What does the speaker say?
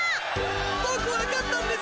ボクわかったんです。